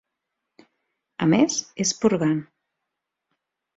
A més, és purgant.